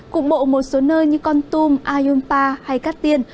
cụ bộ một số nơi như con tum a yon pa hay cát tiên